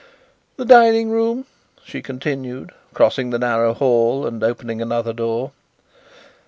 "The dining room," she continued, crossing the narrow hall and opening another door.